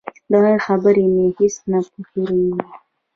د هغه خبرې مې هېڅ نه هېرېږي.